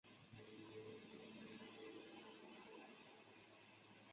擅长表演莎士比亚戏剧。